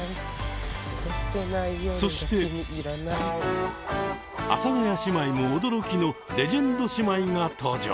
そして阿佐ヶ谷姉妹も驚きのレジェンド姉妹が登場。